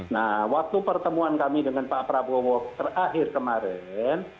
nah waktu pertemuan kami dengan pak prabowo terakhir kemarin